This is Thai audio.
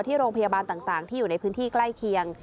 ที่โรงพยาบาลต่างที่อยู่ในพื้นที่ใกล้เคียง